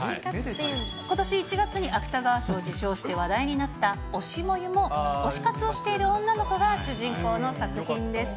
ことし１月に芥川賞を受賞して話題になった推し、燃ゆも女の子が主人公の作品でした。